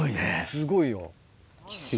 すごいよ。